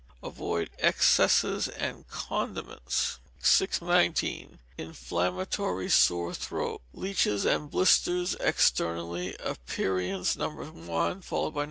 Avoid excesses, and condiments. 619. Inflammatory Sore Throat. Leeches and blisters externally, aperients No. 1, followed by No.